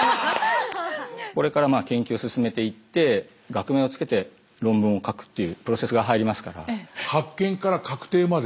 これから研究進めていって学名をつけて論文を書くっていうプロセスが入りますから。